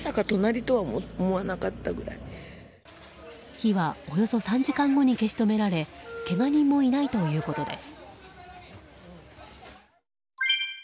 火はおよそ３時間後に消し止められけが人もいないということです。